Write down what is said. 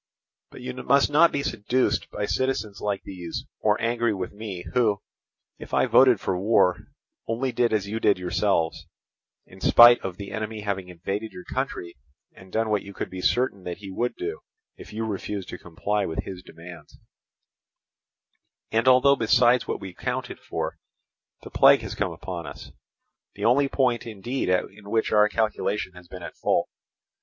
"But you must not be seduced by citizens like these or angry with me—who, if I voted for war, only did as you did yourselves—in spite of the enemy having invaded your country and done what you could be certain that he would do, if you refused to comply with his demands; and although besides what we counted for, the plague has come upon us—the only point indeed at which our calculation has been at fault.